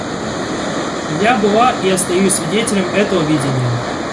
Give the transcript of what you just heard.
Я была и остаюсь свидетелем этого видения.